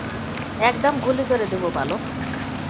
একদম গুলি করে দেব, বালক।